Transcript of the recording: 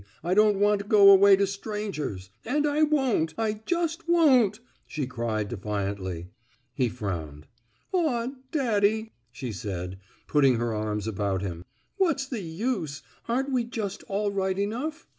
I don't want to go away to stran gers. ... And I won't. I just won't," she cried, defiantly. He frowned. Aw, daddy," she said, putting her arms about him, what's the use! Aren't we just all right enough?